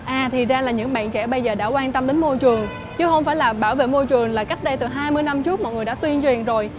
à thì ra là những bạn trẻ bây giờ đã quan tâm đến môi trường chứ không phải là bảo vệ môi trường là cách đây từ hai mươi năm trước mọi người đã tuyên truyền rồi